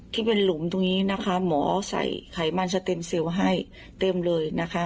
ที่เป็นหลุมตรงนี้นะคะหมอใส่ไขมันสเต็มเซลล์ให้เต็มเลยนะคะ